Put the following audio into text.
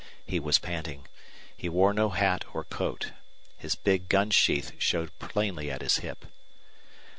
He was panting. He wore no hat or coat. His big gun sheath showed plainly at his hip.